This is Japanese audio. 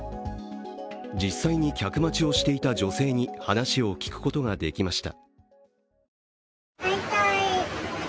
実際に客待ちをしていた女性に話を聞くことができました。